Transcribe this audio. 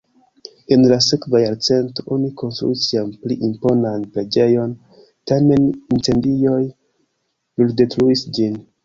En la sekva jarcento oni konstruis jam pli imponan preĝejon, tamen incendioj bruldetruis ĝin.